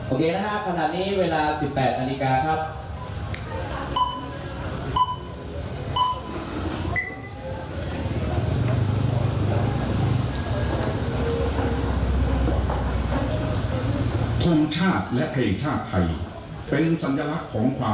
โอเคนะครับขณะนี้เวลา๑๘นาฬิกาครับ